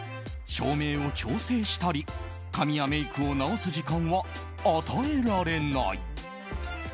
照明を調整したり髪やメイクを直す時間は与えられない。